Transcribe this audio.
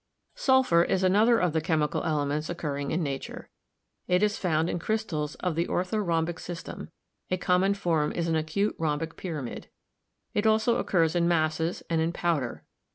Sulphur is another of the chemical elements occurring in nature. It is found in crystals of the orthorhombic system ; a common form is an acute rhombic pyramid. It also occurs in masses and in powder.